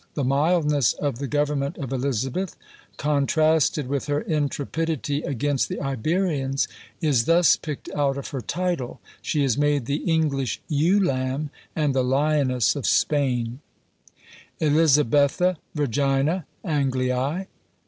The mildness of the government of Elizabeth, contrasted with her intrepidity against the Iberians, is thus picked out of her title; she is made the English ewe lamb, and the lioness of Spain: Elizabetha Regina AngliÃḊ.